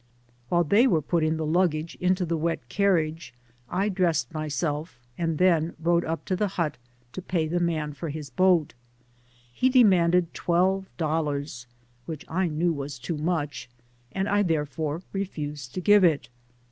While they were putting the luggage into the Digitized byGoogk / THE PAMPAS. 9S1 wet carriage, I dressed myself, and then rode up to the hut to pay the man for his boat. He demanded twelve dollars, which I knew was too much, and I therefore refused to give it.